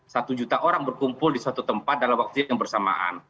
satu juta orang berkumpul di suatu tempat dalam waktu yang bersamaan